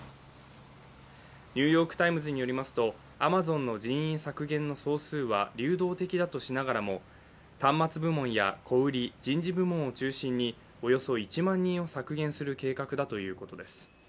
「ニューヨーク・タイムズ」によりますと、アマゾンの人員削減の総数は流動的だとしながらも端末部門や小売り人事部門を中心におよそ１万人を削減する計画だということです。